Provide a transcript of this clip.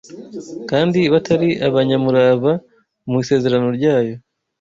kandi batari abanyamurava mu isezerano ryayo